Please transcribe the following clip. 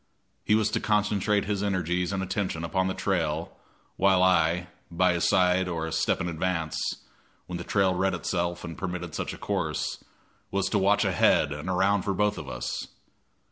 He was to concentrate his energies and attention upon the trail, while I, by his side or a step in advance, when the trail read itself and permitted such a course, was to watch ahead and around for both of us.